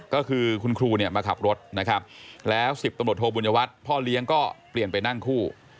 ก็คือคุณครูเนี่ยมาขับรถนะครับแล้ว๑๐ตำรวจโทบุญยวัตรพ่อเลี้ยงก็เปลี่ยนไปนั่งคู่